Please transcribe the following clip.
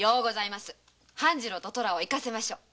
半次郎と虎を行かせましょう。